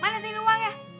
mana sih ini uangnya